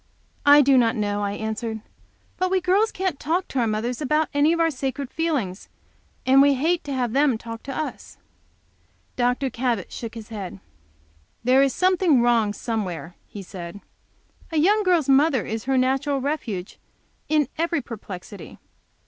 "I do not know," I answered. "But we girls can't talk to our mothers about any of our sacred feelings, and we hate to have them talk to us." Dr. Cabot shook his head. "There is something wrong somewhere," he said, "A young girl's mother is her natural refuge in every perplexity.